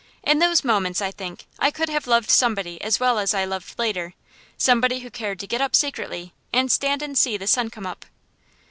In those moments, I think, I could have loved somebody as well as I loved later somebody who cared to get up secretly, and stand and see the sun come up.